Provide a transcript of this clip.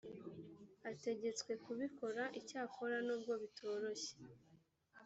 ategetswe kubikora icyakora nubwo bitoroshye.